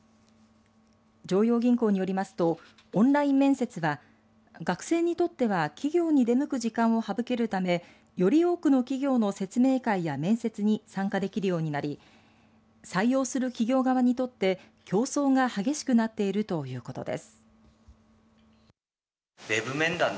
常陽銀行によりますとオンライン面接は学生にとっては企業に出向く時間を省けるためより多くの企業の説明会や面接に参加できるようになり採用する企業側にとって競争が激しくなっているということです。